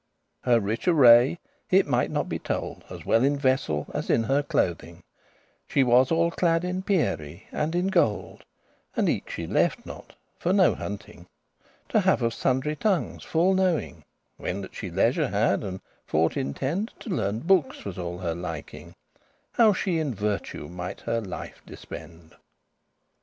Her rich array it mighte not be told, As well in vessel as in her clothing: She was all clad in pierrie* and in gold, *jewellery And eke she *lefte not,* for no hunting, *did not neglect* To have of sundry tongues full knowing, When that she leisure had, and for t'intend* *apply To learne bookes was all her liking, How she in virtue might her life dispend.